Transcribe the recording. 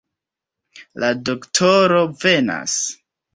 La doktoro venas!